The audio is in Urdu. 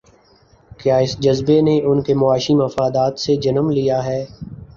کیا اس جذبے نے ان کے معاشی مفادات سے جنم لیا ہے؟